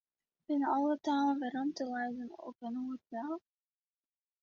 Binne alle talen werom te lieden op ien oertaal?